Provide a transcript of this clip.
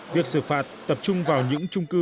việc xử phạt tập trung vào những trung cư